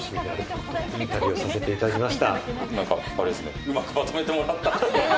いい旅をさせていただきました。